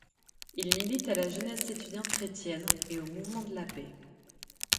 Il milite à la Jeunesse étudiante chrétienne et au Mouvement de la paix.